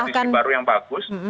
tapi itu tradisi baru yang bagus